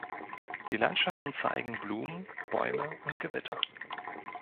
Die Landschaften zeigen Blumen, Bäume und Gewitter.